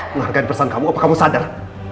menghargai pesan kamu apa kamu sadar